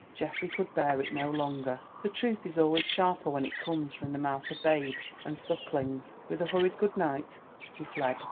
Geoffrey could bear it no longer. The truth is always sharper when it comes from the mouth of babes and sucklings. With a hurried good night he fled.